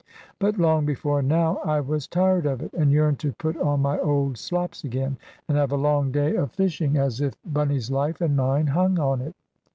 But long before now, I was tired of it, and yearned to put on my old slops again, and have a long day of fishing as if Bunny's life and mine hung on it.